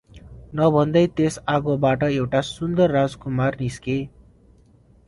नभन्दै त्यस आगोबाट एउटा सुन्दर राजकुमार निस्के ।